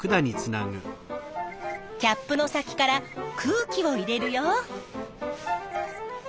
キャップの先から空気を入れるよ。